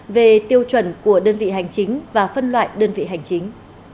về tiêu chuẩn của đơn vị hành chính và phân loại đơn vị hành chính